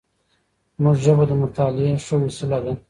زموږ ژبه د مطالعې ښه وسیله ده.